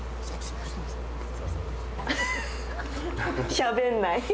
しゃべんない。